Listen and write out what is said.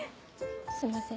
すいません。